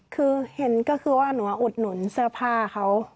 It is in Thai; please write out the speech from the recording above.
คือเห็นก็คือว่าหนูอุดหนุนเสื้อผ้าเขา